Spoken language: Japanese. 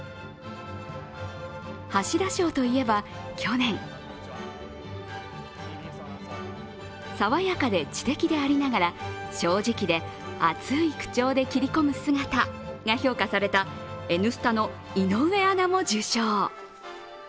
橋田賞といえば去年爽やかで知的でありながら正直で熱い口調で切り込む姿が評価された「Ｎスタ」の井上アナも受賞。